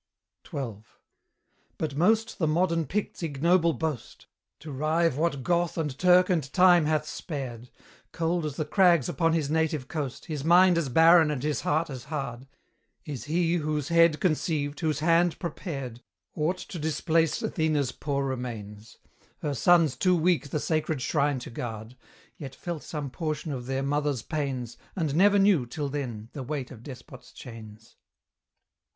XII. But most the modern Pict's ignoble boast, To rive what Goth, and Turk, and Time hath spared: Cold as the crags upon his native coast, His mind as barren and his heart as hard, Is he whose head conceived, whose hand prepared, Aught to displace Athena's poor remains: Her sons too weak the sacred shrine to guard, Yet felt some portion of their mother's pains, And never knew, till then, the weight of Despot's chains.